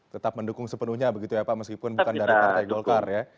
tetap mendukung sepenuhnya begitu ya pak meskipun bukan dari partai golkar ya